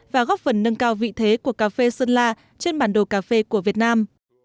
và góp phần nâng cao vị thế của cà phê sơn la trên bản đồ cà phê của việt nam